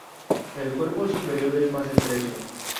El cuerpo superior es más estrecho.